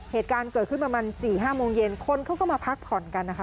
เหตุการณ์เกิดขึ้นประมาณสี่ห้าโมงเย็นคนเขาก็มาพักผ่อนกันนะคะ